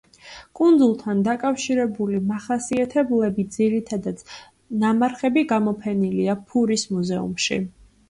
კუნძულთან დაკავშირებული მახასიათებლები, ძირითადად ნამარხები გამოფენილია ფურის მუზეუმში.